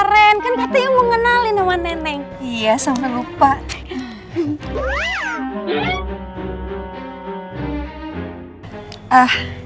sampai jumpa di video selanjutnya